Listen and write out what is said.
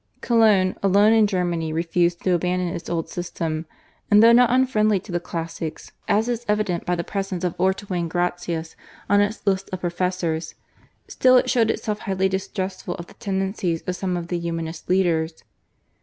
Cologne, alone in Germany, refused to abandon its old system, and, though not unfriendly to the classics, as is evident by the presence of Ortwin Gratius on its list of professors, still it showed itself highly distrustful of the tendencies of some of the Humanist leaders.